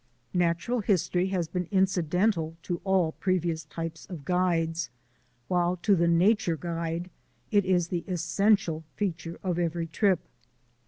Natural history has been incidental to all pre vious types of guides, while to the nature guide it is the essential feature of every trip.